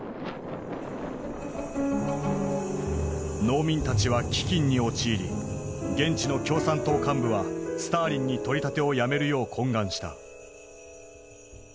農民たちは飢饉に陥り現地の共産党幹部はスターリンに取り立てをやめるよう懇願した。